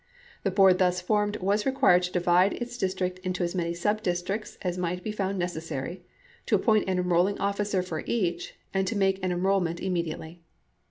The board thus formed was required to divide its dis trict into as many sub districts as might be found necessary, to appoint an enrolling officer for each, and to make an enrollment immediately.